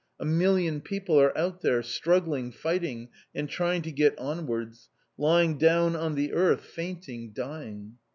A million people are out there, struggling, fighting, and trying to get onwards, lying down on the earth fainting, dying."